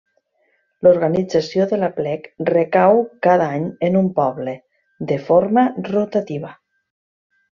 L'organització de l'Aplec recau cada any en un poble, de forma rotativa.